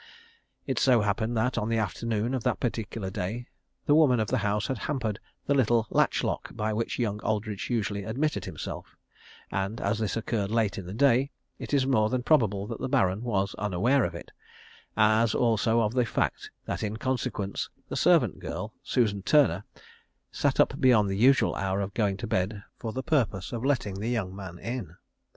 It so happened that, on the afternoon of that particular day, the woman of the house had hampered the little latch lock by which young Aldridge usually admitted himself, and, as this occurred late in the day, it is more than probable that the Baron was unaware of it, as also of the fact that in consequence the servant girl Susan Turner, sat up beyond the usual hour of going to bed for the purpose of letting the young man in.